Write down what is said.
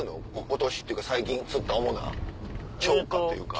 今年っていうか最近釣った主な釣果というか。